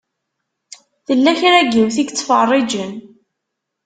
Tella kra n yiwet i yettfeṛṛiǧen.